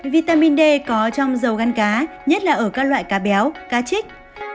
vitamin d có trong dầu găn cá nhất là ở các loại cá béo cá trích